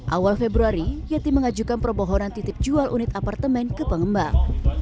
awal februari yeti mengajukan permohonan titip jual unit apartemen ke pengembang